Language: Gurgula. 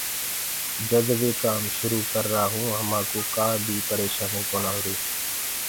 جد دي ڪآم شروُ ڪررآ هونٚ همآ ڪوُ ڪآ بيٚ پريشآنيٚ ڪونآ هوريٚ۔